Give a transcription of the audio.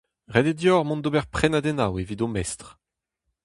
Ret eo deoc'h mont d'ober prenadennoù evit ho mestr.